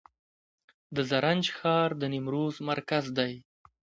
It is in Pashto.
د زرنج ښار د نیمروز مرکز دی